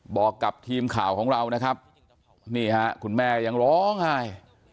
บอกกับทีมข่าวของเรานะครับนี่ฮะคุณแม่ยังร้องไห้